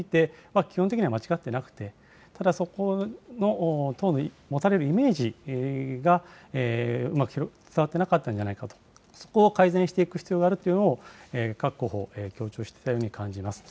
基本的には間違ってなくて、ただそこの、党の持たれるイメージがうまく伝わってなかったんじゃないかと、そこを改善していく必要があるというのを各候補、強調していたように感じます。